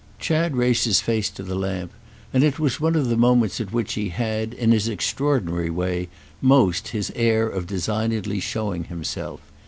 Chad raised his face to the lamp, and it was one of the moments at which he had, in his extraordinary way, most his air of designedly showing himself.